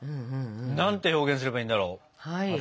何て表現すればいいんだろう。